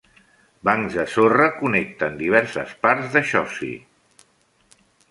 Bancs de sorra connecten diverses parts de Chausey.